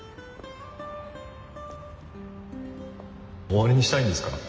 終わりにしたいんですか？